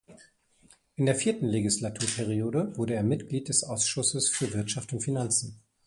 In der vierten Legislaturperiode wurde er Mitglied des Ausschusses für Wirtschaft und Finanzen.